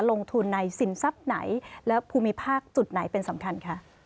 ลงทุนในสินทรัพย์ไหนและภูมิภาคจุดไหนเป็นสำคัญคะ